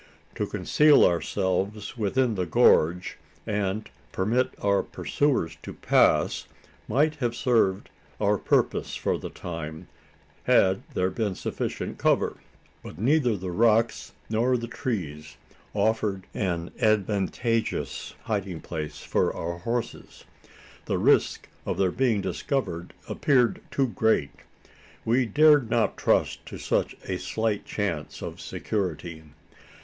To conceal ourselves within the gorge, and permit our pursuers to pass, might have served our purpose for the time had there been sufficient cover. But neither the rocks nor trees offered an advantageous hiding place for our horses. The risk of their being discovered appeared too great. We dared not trust to such a slight chance of security.